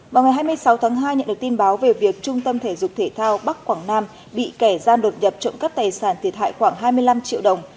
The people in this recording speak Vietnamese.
vào ngày hai mươi sáu tháng hai nhận được tin báo về việc trung tâm thể dục thể thao bắc quảng nam bị kẻ gian đột nhập trộm cắp tài sản thiệt hại khoảng hai mươi năm triệu đồng